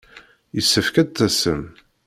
Yessefk ad d-tasem.